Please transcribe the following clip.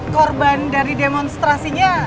korban dari demonstrasinya